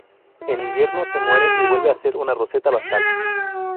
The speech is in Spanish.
En invierno, se muere y vuelve a ser una roseta basal.